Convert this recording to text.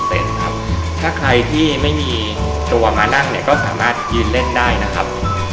ถ้าใครที่ไม่มีตัวมานั่งเนี่ยก็สามารถยืนเล่นได้นะครับ